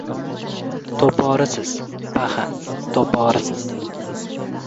— To‘porisiz, paxan, to‘porisiz!